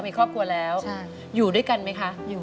มีครอบครัวแล้วใช่